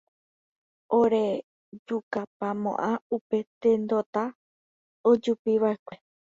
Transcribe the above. orejukapamo'ã upe tendota ojupiva'ekue